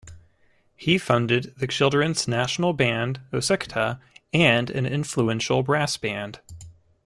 He funded the children's national band Osikta and an influential brass band.